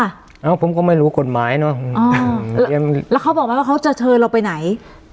เอ้าผมก็ไม่รู้กฎหมายเนอะแล้วเขาบอกไหมว่าเขาจะเชิญเราไปไหน